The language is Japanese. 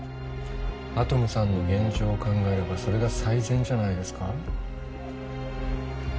アトムさんの現状を考えればそれが最善じゃないですか？